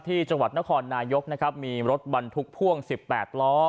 ที่จังหวัดนครนายกนะครับมีรถบรรทุกพ่วง๑๘ล้อ